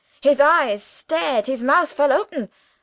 His eyes stared, his mouth fell open.